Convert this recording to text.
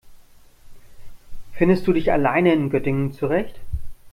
Findest du dich allein in Göttingen zurecht?